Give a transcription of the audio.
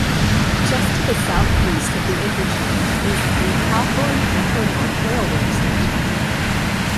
Just to the southeast of the interchange is the Hawthorne Metro-North Railroad station.